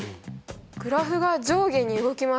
グラフが上下に動きます